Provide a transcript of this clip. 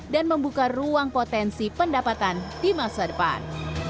dan membuka ruang potensi pendapatan di masa depan